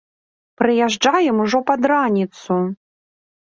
Прыязджаем ужо пад раніцу.